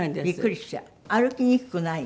歩きにくくない？